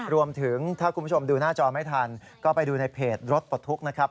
รวมถึงถ้าคุณผู้ชมดูหน้าจอไม่ทันก็ไปดูในเพจรถปลดทุกข์นะครับ